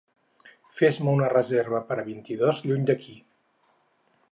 Fes-me una reserva per a vint-i-dos lluny d'aquí